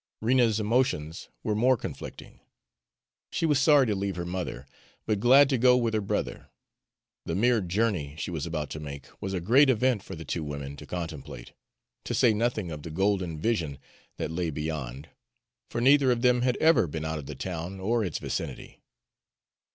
Rena's emotions were more conflicting; she was sorry to leave her mother, but glad to go with her brother. The mere journey she was about to make was a great event for the two women to contemplate, to say nothing of the golden vision that lay beyond, for neither of them had ever been out of the town or its vicinity.